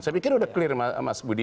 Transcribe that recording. saya pikir sudah clear mas budi